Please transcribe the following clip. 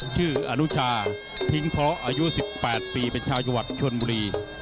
ชื่ออนุชาพิงพระอายุ๑๘ปีเป็นชาวจัวร์ชวนบุรี